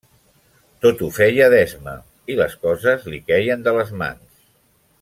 Tot ho feia d'esma i les coses li queien de les mans.